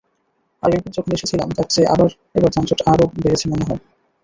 আগেরবার যখন এসেছিলাম, তার চেয়ে এবার যানজট আরও বেড়েছে মনে হয়।